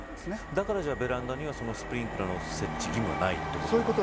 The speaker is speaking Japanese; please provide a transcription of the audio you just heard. だからベランダにはスプリンクラーの設置義務はないってことですか。